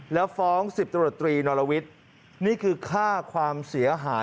แล้วฟ้อง๑๐ตำรวจตรีนรวิทย์นี่คือค่าความเสียหาย